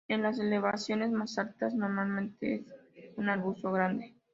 En las elevaciones más altas normalmente es un arbusto grande.